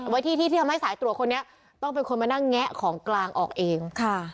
ไว้ที่ที่ทำให้สายตรวจคนนี้ต้องเป็นคนมานั่งแงะของกลางออกเอง